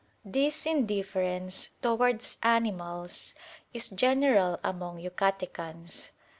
This indifference towards animals is general among Yucatecans.